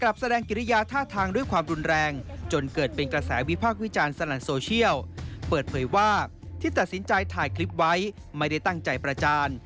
เปิดเผยว่าที่ตัดสินใจถ่ายคลิปไว้ไม่ได้ตั้งใจประจาน